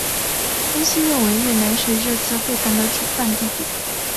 分析认为越南是这次会谈的主办地点。